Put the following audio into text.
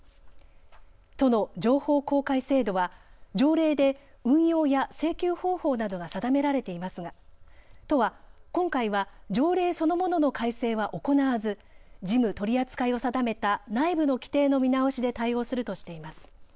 都の情報公開制度は条例で運用や請求方法などが定められていますが都は今回は条例そのものの改正は行わず事務取り扱いを定めた内部の規定の見直しで対応するとしています。